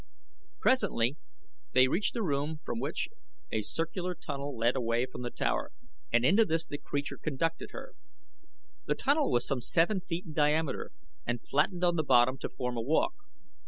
Presently they reached a room from which a circular tunnel led away from the tower, and into this the creature conducted her. The tunnel was some seven feet in diameter and flattened on the bottom to form a walk.